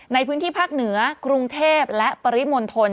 ในพื้นที่ภาคเหนือกรุงเทพและปริมณฑล